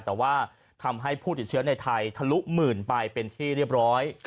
แต่ว่าทำให้ผู้ติดเชื้อในไทยทะลุหมื่นไปเป็นที่เรียบร้อย